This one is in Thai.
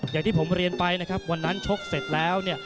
อย่างที่ผมเรียนไปนะครับวันนั้นชกเสร็จแล้วเนี่ย